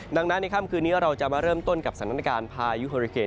ดังนั้นในค่ำคืนนี้เราจะมาเริ่มต้นกับสถานการณ์พายุโฮริเก